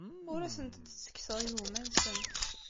Ur asent-d-ttekkseɣ igumma-nsent.